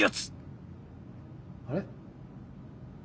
あれ？